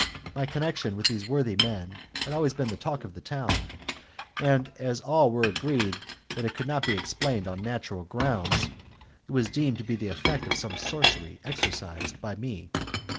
My connection with these worthy men had always been the talk of the town, and as all were agreed that it could not be explained on natural grounds, it was deemed to be the effect of some sorcery exercised by me.